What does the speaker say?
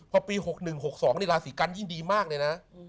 พอปี๖๑๖๒นี่ราศีกันยิ่งดีมากเลยนะ